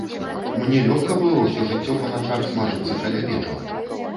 Мне лёгка было ўсё жыццё па начах смажыцца каля печаў?